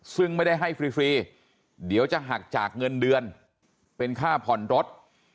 ซึ่งไม่ได้ให้ฟรีเดี๋ยวจะหักจากเงินเดือนเป็นค่าผ่อนรถ